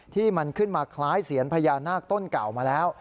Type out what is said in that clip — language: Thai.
ที่มันขึ้นมาคล้ายเสียนพญานาคต้นเก่ามาแล้ว